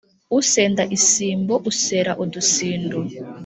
Usenda isimbo usera udusindu.